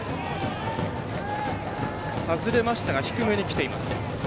外れましたが低めにきています。